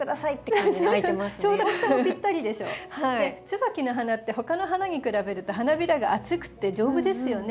ツバキの花って他の花に比べると花びらが厚くて丈夫ですよね。